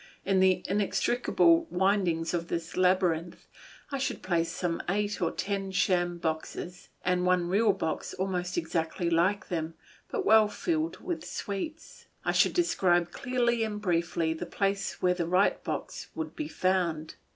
In the inextricable windings of this labyrinth I should place some eight or ten sham boxes, and one real box almost exactly like them, but well filled with sweets. I should describe clearly and briefly the place where the right box would be found.